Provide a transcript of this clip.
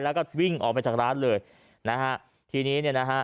แล้วก็วิ่งออกไปจากร้านเลยนะฮะทีนี้เนี่ยนะฮะ